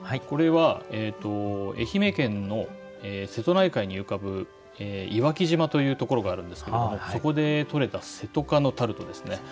これは愛媛県の瀬戸内海に浮かぶ岩城島というところがあるんですけれどもそこで取れたせとかのタルトですね。